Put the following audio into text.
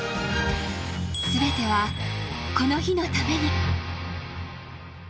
全てはこの日のために。